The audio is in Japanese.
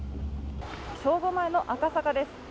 正午前の赤坂です。